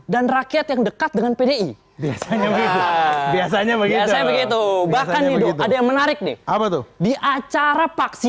dan rakyat yang dekat dengan pdi biasanya begitu bahkan hidup ada yang menarik nih di acara paksi